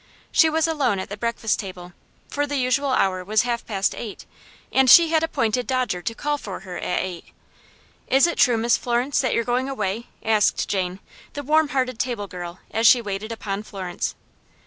She was alone at the breakfast table, for the usual hour was half past eight, and she had appointed Dodger to call for her at eight. "Is it true, Miss Florence, that you're going away?" asked Jane, the warm hearted table girl, as she waited upon Florence.